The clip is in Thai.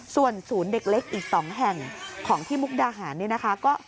ส่วนศูนย์เด็กเล็กอีก๒แห่งของที่มุกดาหารเนี่ยนะคะ